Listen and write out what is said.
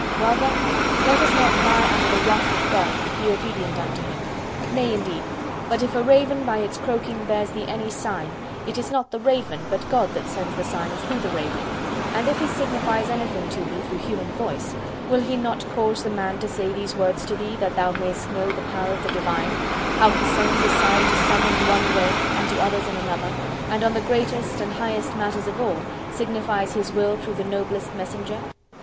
Well, then, let us not lie under the wrath of God, but be obedient unto Him."— Nay, indeed; but if a raven by its croaking bears thee any sign, it is not the raven but God that sends the sign through the raven; and if He signifies anything to thee through human voice, will He not cause the man to say these words to thee, that thou mayest know the power of the Divine—how He sends a sign to some in one way and to others in another, and on the greatest and highest matters of all signifies His will through the noblest messenger?